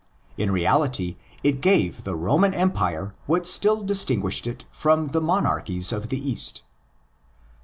In reality, it gave the Roman Empire what still distinguished it from the monarchies of the East.